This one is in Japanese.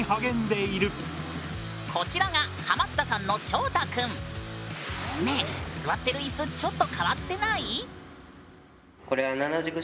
こちらがハマったさんのしょうたくん。ねえ座ってる椅子ちょっと変わってない？